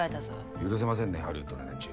許せませんねハリウッドの連中。